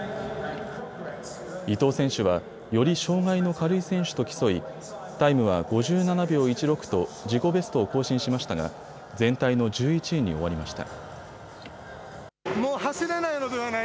伊藤選手は、より障害の軽い選手と競いタイムは５７秒１６と自己ベストを更新しましたが全体の１１位に終わりました。